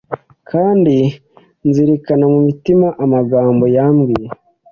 kandi nzirikana mu mutima amagambo yambwiye